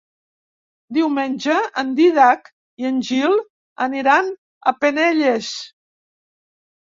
Diumenge en Dídac i en Gil aniran a Penelles.